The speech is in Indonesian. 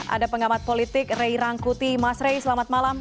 ada pengamat politik rey rangkuti mas rey selamat malam